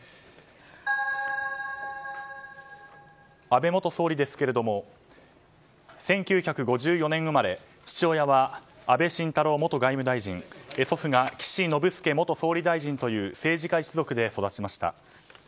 安倍元総理ですけれども１９５４年生まれ父親は安倍晋太郎元外務大臣祖父が岸信介元総理大臣という政治家一族で育ちました。